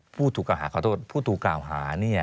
ผู้ถูกกล่าวหา